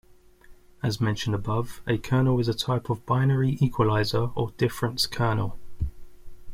As mentioned above, a kernel is a type of binary equaliser, or difference kernel.